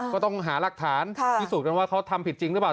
ก็ต้องหารักฐานที่สูงจนว่าเขาทำผิดจริงหรือเปล่า